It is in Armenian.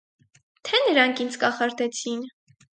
Թե՞ նրանք ինձ կախարդեցին…